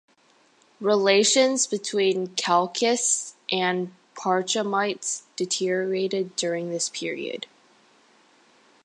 Relations between Khalqists and Parchamites deteriorated during this period.